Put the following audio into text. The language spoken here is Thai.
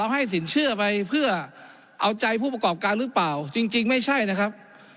ให้สินเชื่อไปเพื่อเอาใจผู้ประกอบการหรือเปล่าจริงไม่ใช่นะครับ